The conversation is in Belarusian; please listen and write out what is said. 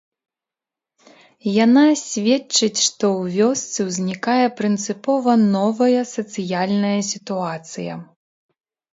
Яна сведчыць, што ў вёсцы ўзнікае прынцыпова новая сацыяльная сітуацыя.